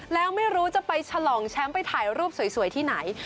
แล้วไม่รู้จะไปฉลองแชมป์ไปถ่ายรูปสวยที่ไหน